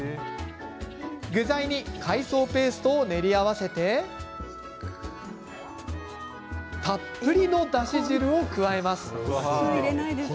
具材に海藻ペーストを練り合わせてたっぷりのだし汁を加えます。